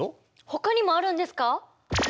ほかにもあるんですか？